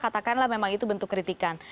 katakanlah memang itu bentuk kritikan